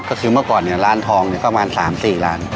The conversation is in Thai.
ก็คือเมื่อก่อนเนี่ยร้านทองเนี่ยประมาณ๓๔ล้าน